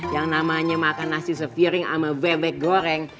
yang namanya makan nasi sepiring sama bebek goreng